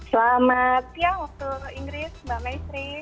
selamat ya waktu inggris mbak maistri